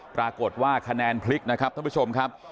ปรากฏว่าคะแนนพลิกนะครับท่านผู้ชมครับ